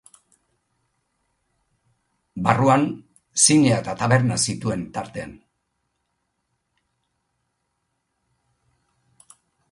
Barruan zinea eta taberna zituen tartean.